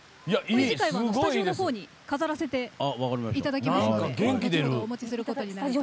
次回は、スタジオに飾らせていただきます。